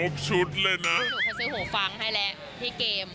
นี่หนูเขาซื้อหัวฟังให้แล้วที่เกม